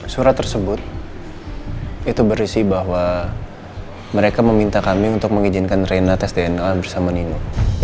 surat tersebut itu berisi bahwa mereka meminta kami untuk mengizinkan rena tes dna bersama nina